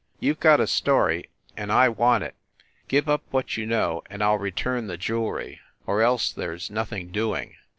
You ve got a story, and I want it. Give up what you know, and I ll return the jewelry. Or else there s nothing doing."